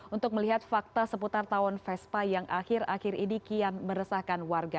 untuk melihat fakta seputar tawon vespa yang akhir akhir ini kian meresahkan warga